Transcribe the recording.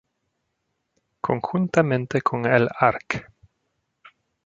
Conjuntamente con el Arq.